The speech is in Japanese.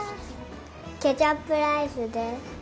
ケチャップライスです。